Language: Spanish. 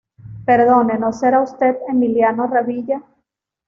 Perdone, ¿no será usted Emiliano Revilla?